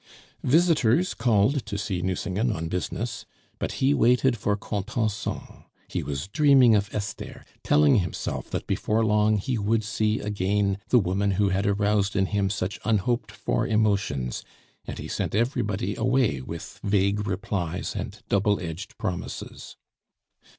Visitors called to see Nucingen on business; but he waited for Contenson, he was dreaming of Esther, telling himself that before long he would see again the woman who had aroused in him such unhoped for emotions, and he sent everybody away with vague replies and double edged promises.